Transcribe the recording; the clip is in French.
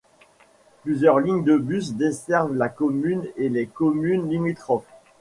Plusieurs lignes de bus desservent la commune et les communes limitrophes.